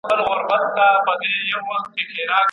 په درسي کتابونو کي د نویو ساینسي لاسته راوړنو یادونه نه وه.